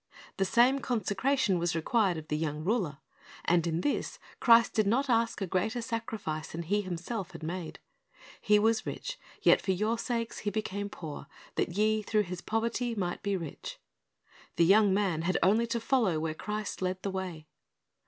"^ The same consecration was required of the young ruler. And in this Christ did not ask a greater sacrifice than He Himself had made. "He was rich, yet for your 'sakes He became poor, that ye through His poverty might be rich."'* The young man had only to follow where Christ led the way.